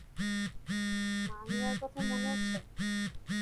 মানিয়ার কথা মনে আছে?